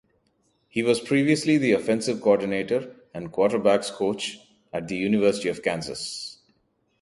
He was previously the offensive coordinator and quarterbacks coach at the University of Kansas.